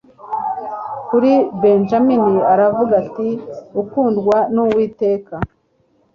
Kuri Benyamini aravuga ati Ukundwa n Uwiteka